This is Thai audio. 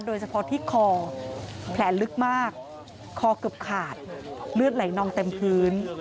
โดยเฉพาะที่คอแผลลึกมากคอเกือบขาดเลือดไหลนองเต็มพื้น